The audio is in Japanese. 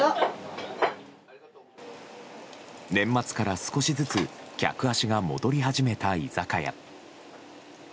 年末から少しずつ客足が戻り始めた居酒屋。